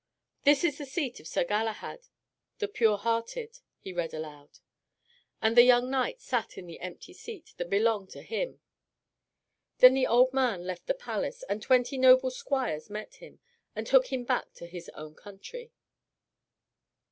"This is the seat of Sir Galahad, the Pure hearted," he read aloud. And the young knight sat in the empty seat that belonged to him. Then the old man left the palace, and twenty noble squires met him, and took him back to his own country.